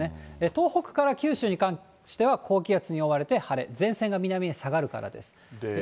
東北から九州に関しては高気圧に覆われて晴れ、前線が南へ下がる２９日。